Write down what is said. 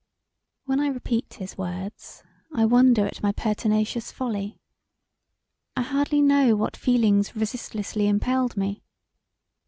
When I repeat his words I wonder at my pertinacious folly; I hardly know what feelings resis[t]lessly impelled me.